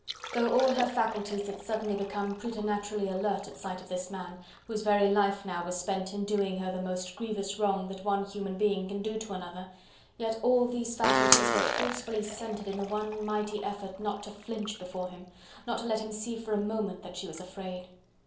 Though all her faculties had suddenly become preternaturally alert at sight of this man, whose very life now was spent in doing her the most grievous wrong that one human being can do to another, yet all these faculties were forcefully centred in the one mighty effort not to flinch before him, not to let him see for a moment that she was afraid.